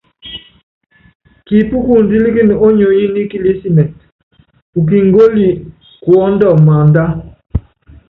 Kipíkundílíkíni ónyonyi nikilísimitɛ, ukíngóli kuɔ́ndɔ maánda.